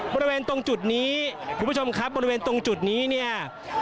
บริเวณตรงจุดนี้คุณผู้ชมครับบริเวณตรงจุดนี้เนี่ย